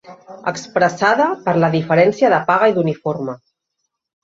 Expressada per la diferència de paga i d'uniforme.